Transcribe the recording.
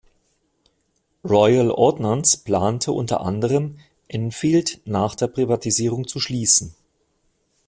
Royal Ordnance plante unter anderem, Enfield nach der Privatisierung zu schließen.